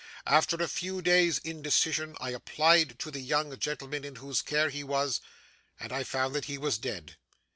After a few days' indecision, I applied to the young gentleman in whose care he was, and I found that he was dead.